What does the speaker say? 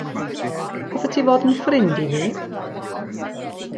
Hoffet ti fod yn ffrind i fi?